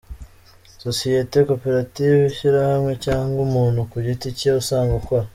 Sosiyete, koperative, ishyirahamwe cyangwa umuntu ku giti cye usanzwe ukora.